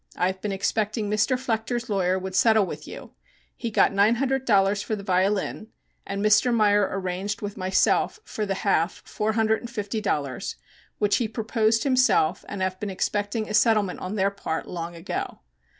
I have been expecting Mr. Flechter's lawyer would settle with you; he got nine hundred dollars for the violin and Mr. Meyer arranged with myself for the half, four hundred and fifty dollars, which he proposed himself and have been expecting a settlement on their part long ago.